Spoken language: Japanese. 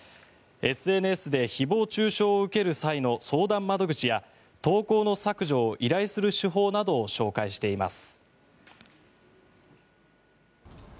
ＳＮＳで誹謗・中傷を受ける際の相談窓口や投稿の削除を依頼する手法などを紹介しています。